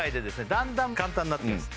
だんだん簡単になっていきます